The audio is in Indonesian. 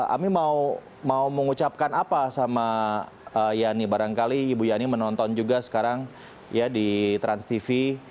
ami mau mengucapkan apa sama yani barangkali ibu yani menonton juga sekarang ya di transtv